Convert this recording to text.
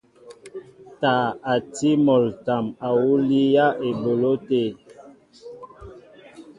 Taa a tí mol ǹtam awǔ líyá eboló te.